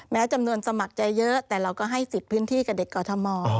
จำนวนสมัครจะเยอะแต่เราก็ให้สิทธิ์พื้นที่กับเด็กกอทม